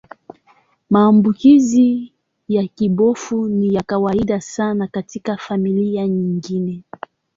Maambukizi ya kibofu ni ya kawaida sana katika familia nyingine.